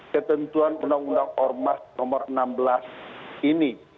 ketentuan undang undang ormas nomor enam belas ini